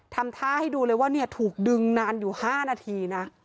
ทำท่าให้ดูเลยว่าถูกดึงนานอยู่๕นาทีนะ